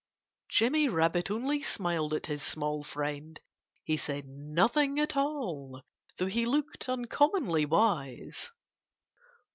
Jimmy Rabbit only smiled at his small friend. He said nothing at all though he looked uncommonly wise.